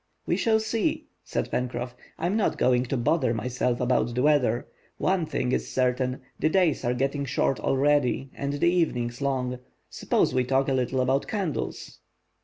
"We shall see," said Pencroff. "I am not going to bother myself about the weather. One thing is certain, the days are getting short already and the evenings long. Suppose we talk a little about candles."